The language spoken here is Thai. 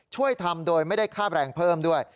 ช่วยทำโดยไม่ได้ค่าแรงเพิ่มด้วย